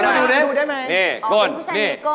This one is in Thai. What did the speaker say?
กลับไปก่อนเลยนะครับ